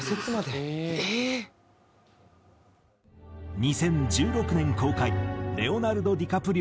２０１６年公開レオナルド・ディカプリオが主演の映画。